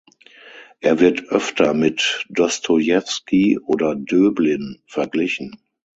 Er wird öfter mit Dostojewski oder Döblin verglichen.